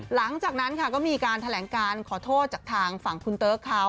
หลังจากนั้นค่ะก็มีการแถลงการขอโทษจากทางฝั่งคุณเติ๊กเขา